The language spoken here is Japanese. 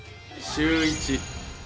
シューイチ。